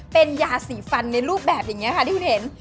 เป็นยาสีฟันในรูปแบบอย่างนี้ค่ะที่คุณเห็น